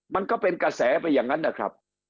มันก็เป็นกระแสไปอย่างนั้นนะครับ